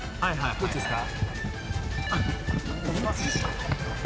どっちですか？